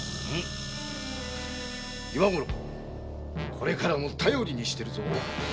岩五郎これからも頼りにしているぞ。